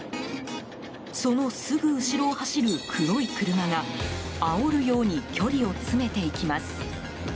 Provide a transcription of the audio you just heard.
そのすぐ後ろを走る黒い車があおるように距離を詰めていきます。